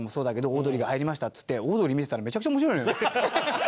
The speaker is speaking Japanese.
オードリーが入りましたっつってオードリー見てたらめちゃくちゃ面白いのよ。